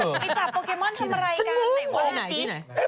ไปจับโปเกมอนทำอะไรกันไหนวันไหน